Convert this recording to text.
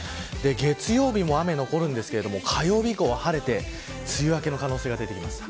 月曜日も雨が残りますが火曜日以降は晴れて梅雨明けの可能性が出てきました。